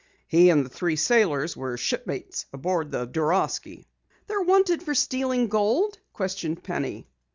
"He and the three sailors were shipmates aboard the Dorasky." "They're wanted for stealing gold?" questioned Penny.